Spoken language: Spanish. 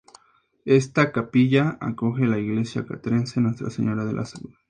Esta capilla acoge la Iglesia Castrense Nuestra Señora de la Salud.